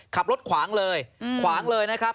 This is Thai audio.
ขับรถขวางเลยขวางเลยนะครับ